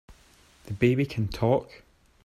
The baby can TALK!